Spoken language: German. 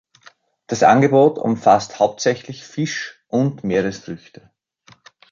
Das Angebot umfasst hauptsächlich Fisch und Meeresfrüchte.